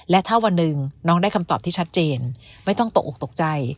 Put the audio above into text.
และถ้าวันหนึ่งน้องได้คำตอบที่ชัดเจนไม่ต้องตกออกตกใจ